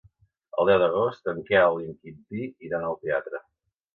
El deu d'agost en Quel i en Quintí iran al teatre.